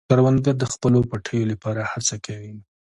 کروندګر د خپلو پټیو لپاره هڅه کوي